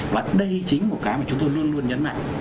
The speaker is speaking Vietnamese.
và đây chính là cái mà chúng tôi luôn luôn nhấn mạnh